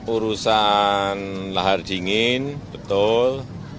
urusan lahar dingin betul